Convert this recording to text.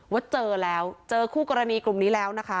ว่าเจอแล้วเจอคู่กรณีกลุ่มนี้แล้วนะคะ